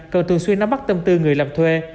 cần thường xuyên nắm bắt tâm tư người làm thuê